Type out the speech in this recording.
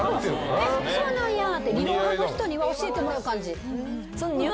そうなんやって理論派の人には教えてもらう感じ。